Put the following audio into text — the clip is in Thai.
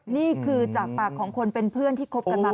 นี่คือจากปากของคนเป็นเพื่อนที่คบกันมา